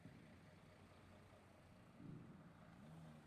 Railway সূত্র জানায়, DEMU ট্রেনের মূল সমস্যা হচ্ছে, এতে টয়লেট নেই।